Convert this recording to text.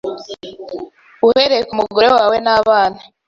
uhereye ku mugore wawe n’abana